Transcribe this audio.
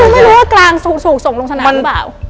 ไม่รู้ว่ากลางสุกลงสนามหรือเปล่า